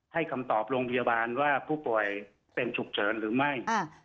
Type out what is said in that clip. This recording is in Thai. คำตอบโรงพยาบาลว่าผู้ป่วยเป็นฉุกเฉินหรือไม่